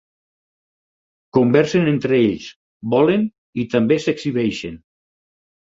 Conversen entre ells, volen i també s'exhibeixen.